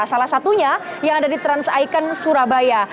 salah satunya yang ada di trans icon surabaya